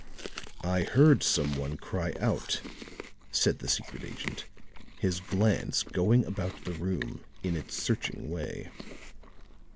"I heard some one cry out," said the secret agent, his glance going about the room in its searching way.